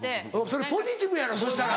それポジティブやろそしたら。